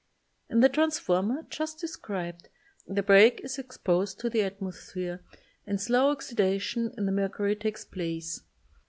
In the transformer just described the break is exposed to the atmosphere and a slow oxidation of the mercury takes place.